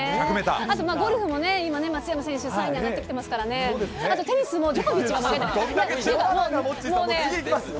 あとゴルフも、今、松山選手３位に上がってきてますからね、あとテニスもジョコビッモッチーさん、次いきますよ。